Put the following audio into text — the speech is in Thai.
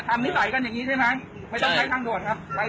ทำไม่ไหลกันอย่างงี้ใช่ไหมใช่ไม่ต้องใช้ทางด่วนครับ